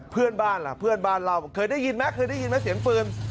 เพื่อนบ้านล่ะเพื่อนบ้านเล่าเคยได้ยินไหมเคยได้ยินไหมเสียงปืน